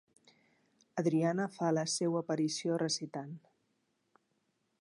Adriana fa la seua aparició recitant.